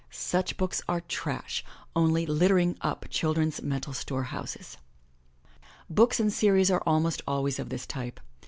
Such books are trash — only littering up children's mental store houses. Books in series are almost always of this type.